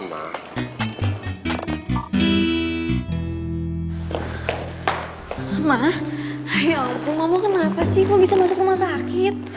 mama ya allah mama kenapa sih kok bisa masuk rumah sakit